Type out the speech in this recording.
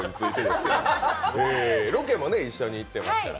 ロケも一緒に行ってますから。